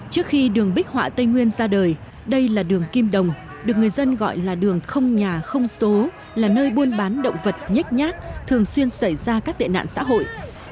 trước khi đường bích họa tây nguyên ra đời đây là đường kim đồng được người dân gọi là đường không nhà không số là nơi buôn bán động vật nhách nhát thường xuyên xảy ra các tệ nạn xã hội